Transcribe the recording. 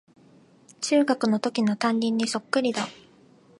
中学のときの担任にそっくりだ